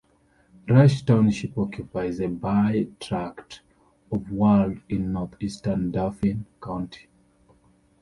Rush Township occupies a by tract of land in northeastern Dauphin County.